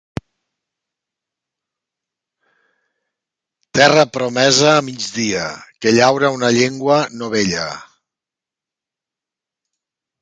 Terra promesa a migdia que llaura una llengua novella.